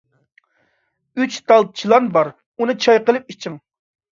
ئۈچ تال چىلان بار، ئۇنى چاي قىلىپ ئىچىڭ.